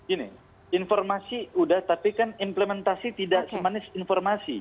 ini informasi udah tapi kan implementasi tidak semanis informasi